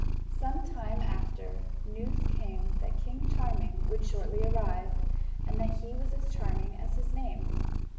Some time after, news came that King Charming would shortly arrive, and that he was as charming as his name.